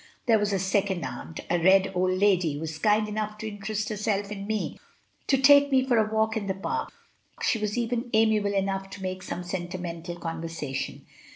There was a second aunt, a red, old lady, who was kind enough to in terest herself in me, to take me for a walk in the park. She was even amiable enough to make some sentimental conversation.